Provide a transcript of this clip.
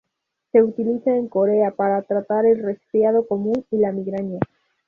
Se utiliza en Corea para tratar el resfriado común y la migraña.